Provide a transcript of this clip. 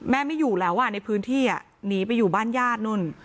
ไม่อยู่แล้วในพื้นที่หนีไปอยู่บ้านญาตินู่น